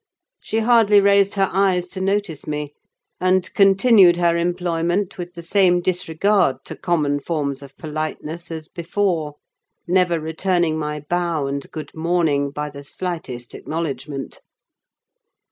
She hardly raised her eyes to notice me, and continued her employment with the same disregard to common forms of politeness as before; never returning my bow and good morning by the slightest acknowledgment.